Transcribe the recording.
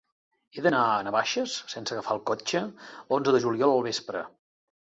He d'anar a Navaixes sense agafar el cotxe l'onze de juliol al vespre.